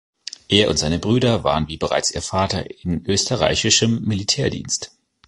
Er und seine Brüder waren wie bereits ihr Vater in österreichischem Militärdienst.